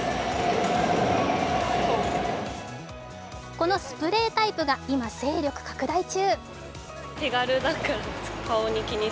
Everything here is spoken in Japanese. このスプレータイプが今、勢力拡大中。